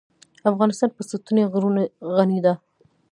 افغانستان په ستوني غرونه غني دی.